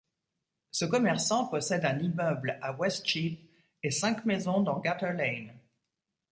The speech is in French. Ce commerçant possède un immeuble à Westcheap et cinq maisons dans Gutter Lane.